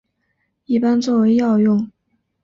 一般作为药用。